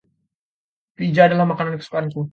Piza adalah makanan kesukaanku.